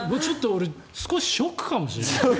少しショックかもしれない。